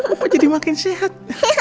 opa jadi makin sehat